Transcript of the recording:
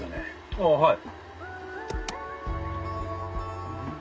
「ああはい」。